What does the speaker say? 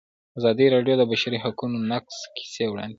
ازادي راډیو د د بشري حقونو نقض کیسې وړاندې کړي.